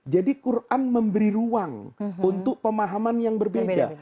jadi quran memberi ruang untuk pemahaman yang berbeda